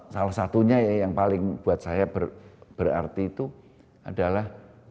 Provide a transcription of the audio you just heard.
salah satunya ya yang paling buat saya berarti itu adalah